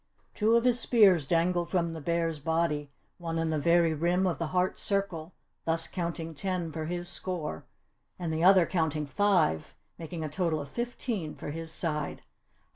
Two of his spears dangled from the bear's body, one in the very rim of the heart's circle thus counting ten for his score and the other counting five, making a total of fifteen for his side.